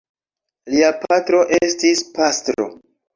Lia patro estis pastro.